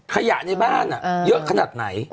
ขยะในบ้านเยอะขนาดไหน